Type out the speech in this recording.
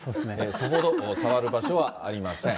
さほど触る場所はありません。